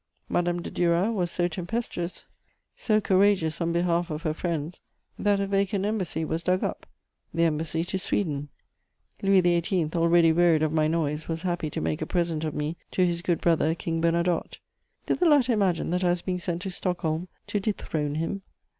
Madame de Duras was so tempestuous, so courageous on behalf of her friends, that a vacant embassy was dug up, the Embassy to Sweden. Louis XVIII., already wearied of my noise, was happy to make a present of me to his good brother, King Bernadotte. Did the latter imagine that I was being sent to Stockholm to dethrone him?